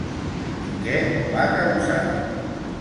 I què va causar?